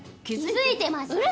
気付いてます。